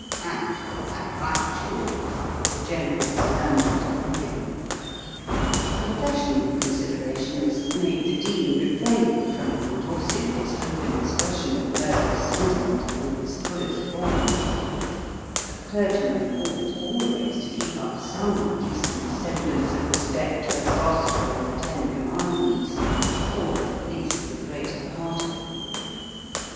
"And quite right, too," the General murmured approvingly. Professional considerations made the Dean refrain from endorsing this open expression of murderous sentiment in its fullest form; a clergyman ought always to keep up some decent semblance of respect for the Gospel and the Ten Commandments or, at least, the greater part of them.